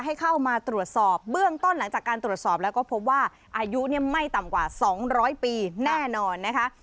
ให้เข้ามาตรวจสอบเบื้องต้นหลังจากการตรวจสอบแล้วก็พบว่าอายุไม่ต่ำกว่า๒๐๐ปีแน่นอนนะคะ